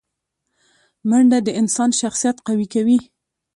منډه د انسان شخصیت قوي کوي